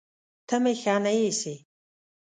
ته مې ښه نه ايسې